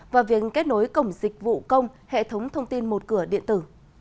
và việc kết nối cổng dịch vụ công hệ thống thông tin một cửa điện tử